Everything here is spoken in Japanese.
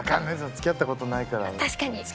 付き合った事ないから。